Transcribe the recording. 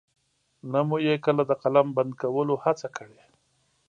نه مو يې کله د قلم بند کولو هڅه کړې.